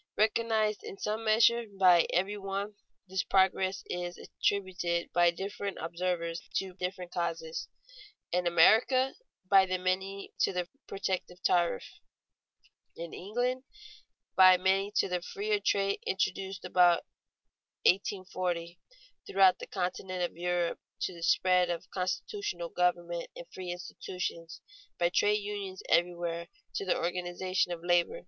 _ Recognized in some measure by every one, this progress is attributed by different observers to different causes: in America, by many to the protective tariff; in England, by many to the freer trade introduced about 1840; throughout the continent of Europe, to the spread of constitutional government and free institutions; by trade unions everywhere, to the organization of labor.